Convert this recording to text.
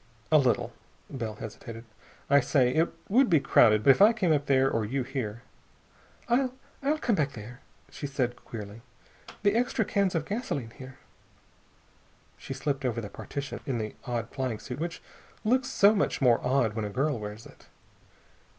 "A little." Bell hesitated. "I say, it would be crowded, but if I came up there, or you here...." "I I'll come back there," she said queerly. "The extra cans of gasoline here...." She slipped over the partition, in the odd flying suit which looks so much more odd when a girl wears it.